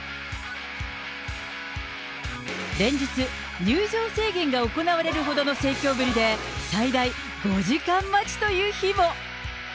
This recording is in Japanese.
連日、入場制限が行われるほどの盛況ぶりで、最大５時間待ちという日も。